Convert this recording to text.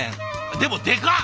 でもでかっ！